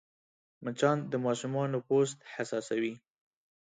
مچان د ماشومانو پوست حساسوې